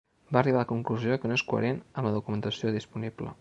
Va arribar a la conclusió que no és coherent amb la documentació disponible.